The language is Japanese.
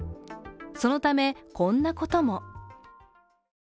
そのため、こんなことも。